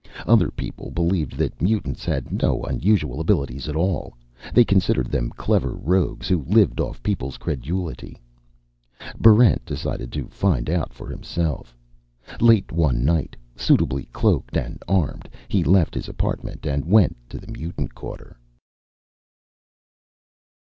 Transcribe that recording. Other people believed that mutants had no unusual abilities at all. They considered them clever rogues who lived off people's credulity. Barrent decided to find out for himself. Late one night, suitably cloaked and armed, he left his apartment and went to the Mutant Quarter.